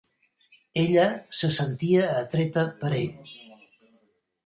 Ella se sentia atreta per ell.